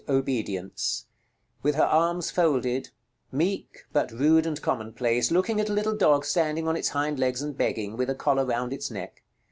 _ Obedience: with her arms folded; meek, but rude and commonplace, looking at a little dog standing on its hind legs and begging, with a collar round its neck.